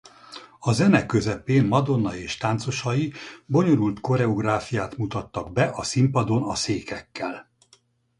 A zene közepén Madonna és táncosai bonyolult koreográfiát mutattak be a színpadon a székekkel.